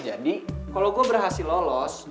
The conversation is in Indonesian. jadi kalo gue berhasil lolos